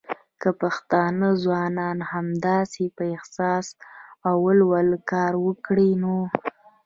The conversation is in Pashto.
که پښتانه ځوانان همداسې په احساس او ولولو کار وکړی نو